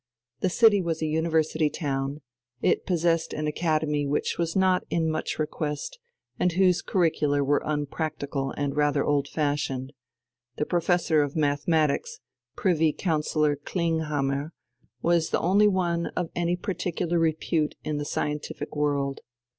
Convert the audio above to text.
The city was a university town, it possessed an academy which was not in much request and whose curricula were unpractical and rather old fashioned; the Professor of Mathematics, Privy Councillor Klinghammer, was the only one of any particular repute in the scientific world.